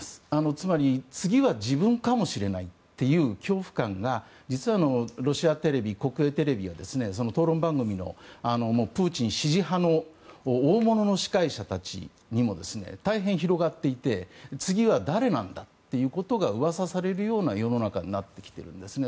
つまり次は自分かもしれないという恐怖感が実はロシアテレビ、国営テレビは討論番組のプーチン支持派の大物の司会者たちにも大変広がっていて次は誰なんだということがうわさされるような世の中になってきてるんですね。